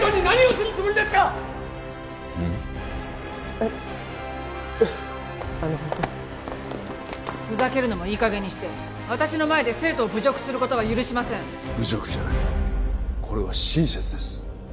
えっいやあのふざけるのもいい加減にして私の前で生徒を侮辱することは許しません侮辱じゃないこれは親切です